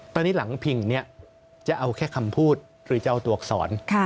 ตอนนี้หลังพิงเนี่ยจะเอาแค่คำพูดหรือจะเอาตัวอักษร